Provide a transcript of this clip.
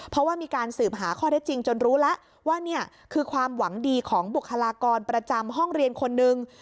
เพราะว่ามีการสืบหาข้อได้จริงจนรู้แล้วว่านี่คือความหวังดีของบุคลากรประจำห้องเรียนคนนึง